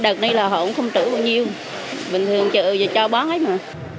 đợt này là họ cũng không trữ bao nhiêu